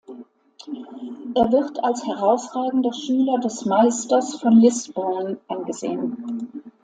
Er wird als herausragender Schüler des Meisters von Liesborn angesehen.